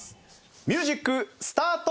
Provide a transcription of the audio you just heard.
ミュージックスタート！